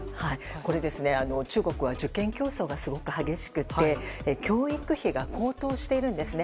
中国は受験競争がすごく激しくて教育費が高騰しているんですね。